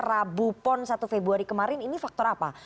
rabu pon satu februari kemarin ini faktor apa